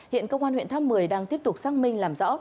hiện công an huyện tháp một mươi đang tiếp tục xác minh làm rõ